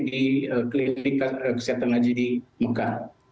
di klinik kesehatan haji di mekah